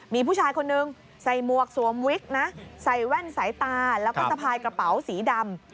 มีผู้ชายคนนึงใส่หมวกสวมวิกนะใส่แว่นสายตาแล้วก็สะพายกระเป๋าสีดำ